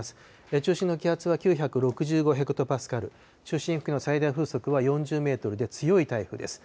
中心の気圧は９６５ヘクトパスカル、中心付近の最大風速は４０メートルで強い台風です。